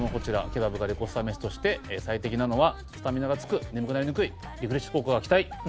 ケバブがレコスタ飯として最適なのはスタミナがつく眠くなりにくいリフレッシュ効果が期待。